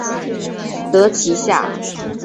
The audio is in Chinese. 得其下